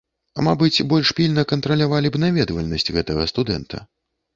Мабыць, больш пільна кантралявалі б наведвальнасць гэтага студэнта.